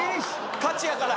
勝ちやから！